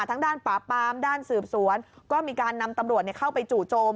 ทั้งด้านป่าปามด้านสืบสวนก็มีการนำตำรวจเข้าไปจู่โจม